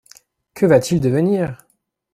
Que va-t-il devenir?